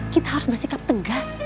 kita harus bersikap tegas